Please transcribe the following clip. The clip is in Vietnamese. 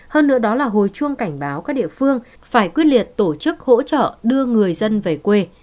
hơn nữa đó là hồi chuông cảnh báo các địa phương phải quyết liệt tổ chức hỗ trợ đưa người dân về quê